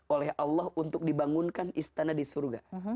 oleh allah untuk dibangunkan istana di surga